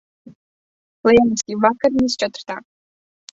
Lieliski. Vakariņas četratā.